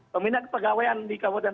pemindah kepegawaian di kabupaten